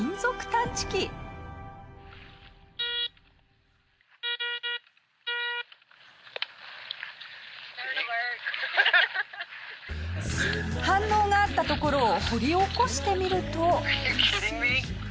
反応があったところを掘り起こしてみると。